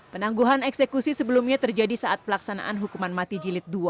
penangguhan eksekusi sebelumnya terjadi saat pelaksanaan hukuman mati